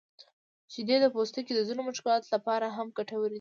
شیدې د پوستکي د ځینو مشکلاتو لپاره هم ګټورې دي.